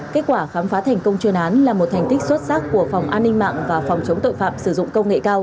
kết quả khám phá thành công chuyên án là một thành tích xuất sắc của phòng an ninh mạng và phòng chống tội phạm sử dụng công nghệ cao